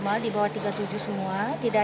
dari k gregori to masyarakat